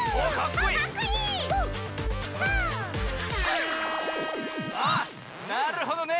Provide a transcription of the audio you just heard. あっなるほどね。